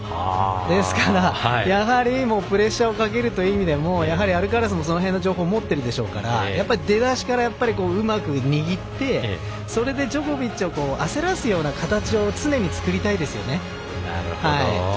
ですから、プレッシャーをかけるという意味でもいアルカラスもその辺の情報を持っているでしょうから出だしからうまく握ってジョコビッチを焦らすような形を常に作りたいですよね。